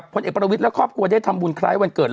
พลเอกประวิทย์และครอบครัวได้ทำบุญคล้ายวันเกิด